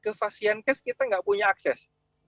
ke fasilitas layanan kesehatan kita nggak punya akses